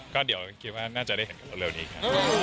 ก็เดี๋ยวคิดว่าน่าจะได้เห็นกับเรื่องนี้ค่ะ